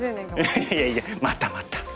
いやいやまたまた！